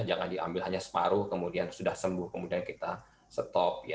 jangan diambil hanya separuh kemudian sudah sembuh kemudian kita stop